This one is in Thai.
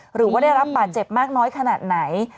หรือว่าได้รับบาดเจ็บมากน้อยขนาดไหน